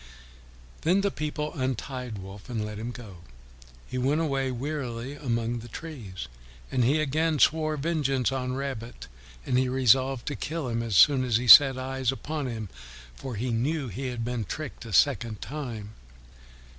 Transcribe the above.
Then the people untied Wolf and let him go. He went away wearily among the trees. And he again swore vengeance on Rabbit, and he resolved to kill him as soon as he set eyes upon him, for he knew he had been tricked a second time.